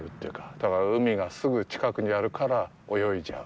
だから海がすぐ近くにあるから泳いじゃう。